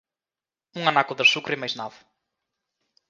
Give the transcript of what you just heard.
Un anaco de azucre e máis nada.